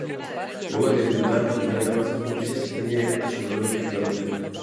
Luego de enviudar, contrae nuevas nupcias y tiene a su menor hija Claudia.